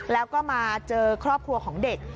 แล้วก็มาเจอครอบครัวของเด็ก